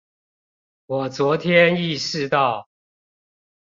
我昨天意識到